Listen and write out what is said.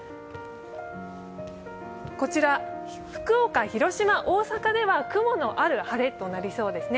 こちら、福岡、広島、大阪では雲のある晴れとなりそうですね。